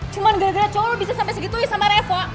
cuman gara gara cowok lo bisa sampe segitu ya sama reva